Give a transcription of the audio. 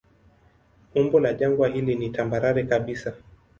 Umbo la jangwa hili ni tambarare kabisa.